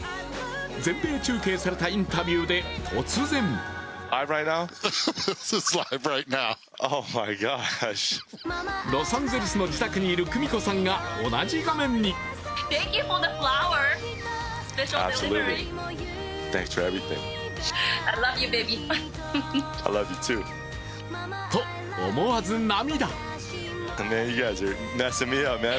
全米中継されたインタビューで突然ロサンゼルスの自宅にいる久美子さんが、同じ画面に。と思わず涙。